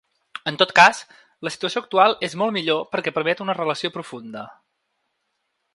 En tot cas, la situació actual és molt millor perquè permet una relació profunda.